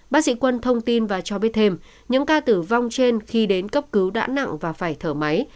bác sĩ quân thông tin và cho biết thêm những ca tử vong trên khi đến cấp cứu đã nặng và phải thở máy